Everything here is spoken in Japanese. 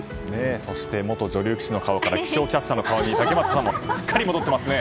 そして元女流棋士の顔から気象キャスターの顔に竹俣さんもすっかり戻ってますね。